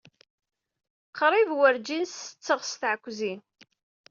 Qrib werǧin setteɣ s tɛekkzin.